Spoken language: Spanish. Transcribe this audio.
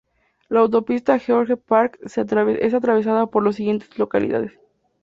La Autopista George Parks es atravesada por las siguientes localidades.